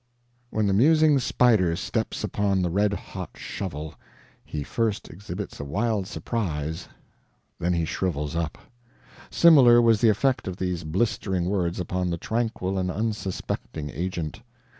When the musing spider steps upon the red hot shovel, he first exhibits a wild surprise, then he shrivels up. Similar was the effect of these blistering words upon the tranquil and unsuspecting Agent.